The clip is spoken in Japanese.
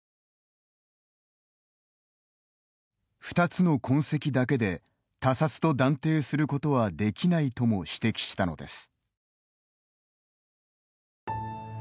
２つの痕跡だけで、他殺と断定することはできないとも指摘したのです。